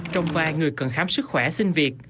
trong vai người cần khám sức khỏe xin việc